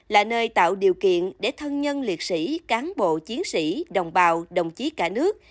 là nơi tạo điều kiện để thân nhân liệt sĩ cán bộ chiến sĩ đồng bào đồng chí cả nước